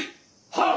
はっ！